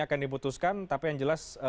akan diputuskan tapi yang jelas